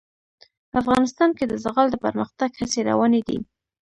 افغانستان کې د زغال د پرمختګ هڅې روانې دي.